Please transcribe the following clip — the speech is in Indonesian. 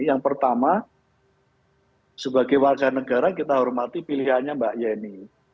yang pertama sebagai wajah negara kita hormati pilihannya mbak yeni